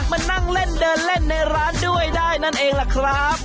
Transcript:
มานั่งเล่นเดินเล่นในร้านด้วยได้นั่นเองล่ะครับ